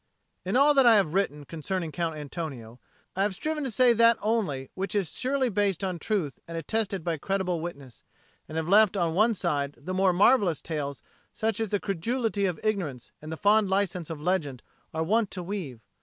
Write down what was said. In all that I have written concerning Count Antonio, I have striven to say that only which is surely based on truth and attested by credible witness, and have left on one side the more marvellous tales such as the credulity of ignorance and the fond licence of legend are wont to weave.